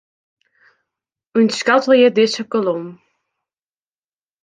Untskoattelje dizze kolom.